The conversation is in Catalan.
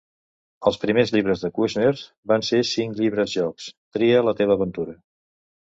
Els primers llibres de Kushner van ser cinc llibres jocs "Tria la teva aventura".